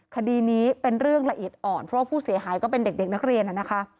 คดีนี้เป็นเรื่องละเอียดอ่อนเพราะว่าผู้เสียหายก็เป็นเด็กนักเรียนนะคะ